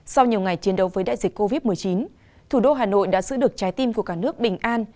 sau nhiều ngày chiến đấu với đại dịch covid một mươi chín thủ đô hà nội đã giữ được trái tim của cả nước bình an